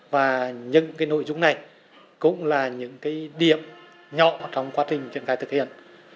và những cái nội dung này cũng là những cái điểm nhỏ trong quá trình tiện khai thực hiện